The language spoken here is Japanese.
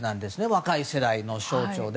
若い世代の象徴で。